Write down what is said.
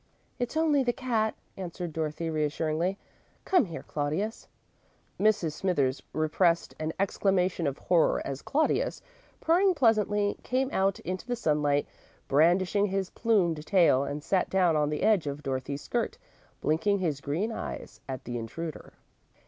"It's only the cat," answered Dorothy, reassuringly. "Come here, Claudius." Mrs. Smithers repressed an exclamation of horror as Claudius, purring pleasantly, came out into the sunlight, brandishing his plumed tail, and sat down on the edge of Dorothy's skirt, blinking his green eyes at the intruder.